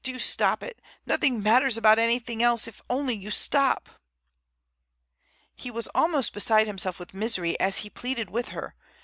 Do stop it! Nothing matters about anything else if only you stop!" He was almost beside himself with misery as he pleaded with her.